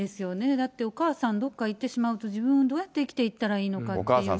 だってお母さんどっか行ってしまうと、自分、どうやって生きていったらいいのかっていう。